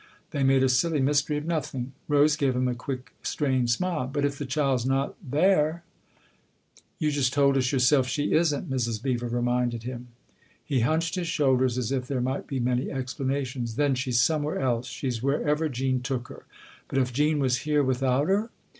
They made a silly mystery of nothing. Rose gave him a quick, strained smile. " But if the child's not there ?" "You just told us yourself she isn't!" Mrs. Beever reminded him. He hunched his shoulders as if there might be many explanations. " Then she's somewhere else. She's wherever Jean took her." " But if Jean was here without her